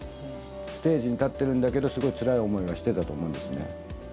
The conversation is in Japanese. ステージに立ってるんだけどつらい思いはしてたと思うんです。